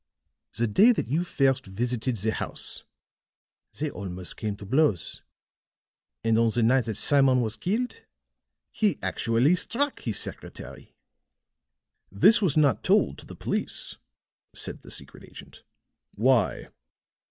The day that you first visited the house, they almost came to blows; and on the night that Simon was killed, he actually struck his secretary." "This was not told to the police," said the secret agent. "Why?"